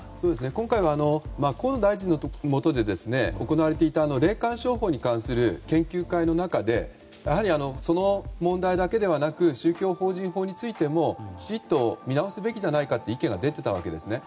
今回は河野大臣のもとで行われていた霊感商法に関する研究会の中でやはりその問題だけではなく宗教法人法についてもきちっと見直すべきだという意見が出ていたわけですね。